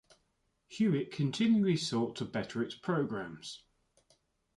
Hewitt continually sought to better its programs.